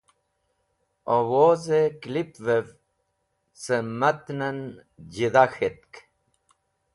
Owozẽ klipvẽv ce matanẽn jẽdha k̃htk